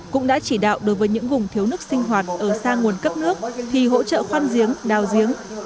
cũng đã chỉ đạo đối với những vùng thiếu nước sinh hoạt ở xa nguồn cấp nước thì hỗ trợ khoan giếng đào giếng